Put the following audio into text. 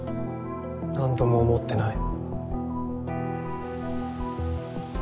何とも思ってない。